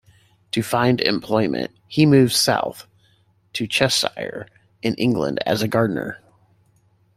To find employment, he moved south to Cheshire in England as a gardener.